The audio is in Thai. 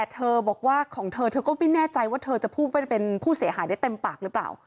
เธอบอกว่าของเธอเธอก็ไม่แน่ใจว่าเธอจะพูดว่าเป็นผู้เสียหายได้เต็มปากหรือเปล่า